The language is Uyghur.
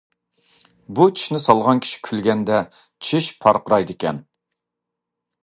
بۇ چىشنى سالغان كىشى كۈلگەندە، چىش پارقىرايدىكەن.